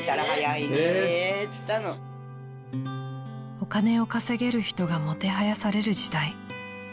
［お金を稼げる人がもてはやされる時代］